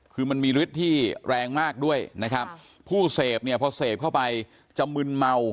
คือมันมีฤทธิ์ที่แรงมากด้วยนะครับผู้เสพเนี่ยพอเสพเข้าไปจะมึนเมา